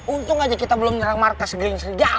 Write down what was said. untung aja kita belum nyerang markas geng serigala